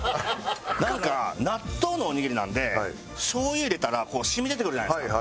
なんか納豆のおにぎりなんで醤油入れたら染み出てくるじゃないですか。